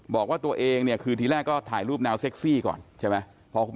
บอกว่าตัวเองเนี่ยคือทีแรกก็ถ่ายรูปแนวเซ็กซี่ก่อนใช่ไหม